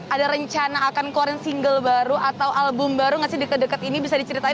ada rencana akan keluarin single baru atau album baru nggak sih deket deket ini bisa diceritain